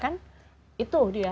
iya kan itu dia